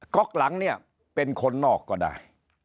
ก๊อกหลังเป็นคนนอกก็ได้